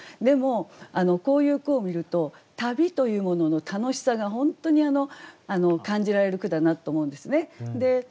でもこういう句を見ると旅というものの楽しさが本当に感じられる句だなと思うんですね。